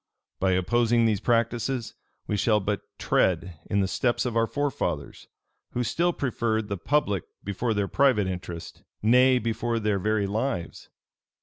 By opposing these practices, we shall but tread in the steps of our forefathers, who still preferred the public before their private interest, nay, before their very lives.